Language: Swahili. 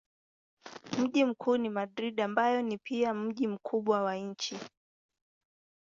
Mji mkuu ni Madrid ambayo ni pia mji mkubwa wa nchi.